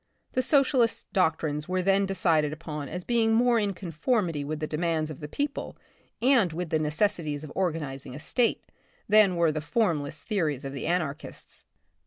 The Socialists' doctrines were then decided upon as being more in conformity with the demands of the people and with the necessities of organizing a state than were the formless theories of the anarchists.